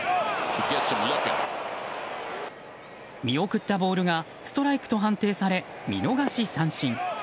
見送ったボールがストライクと判定され見逃し三振。